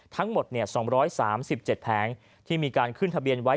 ทั้งหมด๒๓๗แผงที่มีการขึ้นทะเบียนไว้